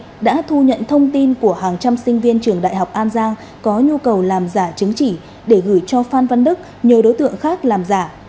nguyễn đức đã thu nhận thông tin của hàng trăm sinh viên trường đại học an giang có nhu cầu làm giả chứng chỉ để gửi cho phan văn đức nhờ đối tượng khác làm giả